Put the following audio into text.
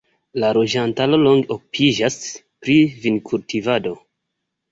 La loĝantaro longe okupiĝas pri vinkultivado.